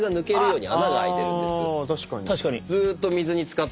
確かに。